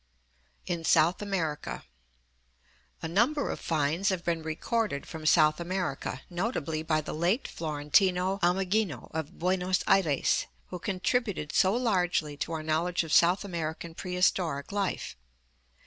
In South America. — A number of finds have been recorded from South America, notably by the late Florentino Ameghino of Buenos Aires, who contributed so largely to our knowledge of South Amer ican prehistoric life.